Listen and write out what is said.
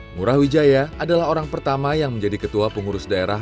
ngurahwijaya adalah orang pertama yang menjadi ketua pengurus daerah